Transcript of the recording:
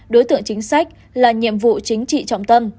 đối tượng chính sách là nhiệm vụ chính trị trọng tâm